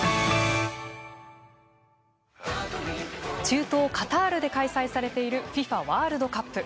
中東・カタールで開催されているＦＩＦＡワールドカップ。